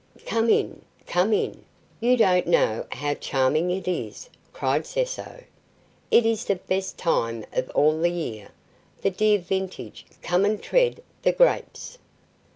"Come in, come in; you don't know how charming it is!" cried Cecco. "It is the best time of all the year, the dear vintage; come and tread the grapes."